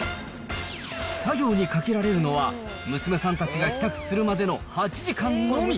作業にかけられるのは娘さんたちが帰宅するまでの８時間のみ。